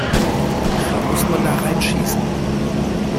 Wo muss man da reinschießen?